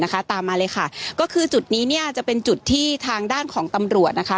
ตามมาเลยค่ะก็คือจุดนี้เนี่ยจะเป็นจุดที่ทางด้านของตำรวจนะคะ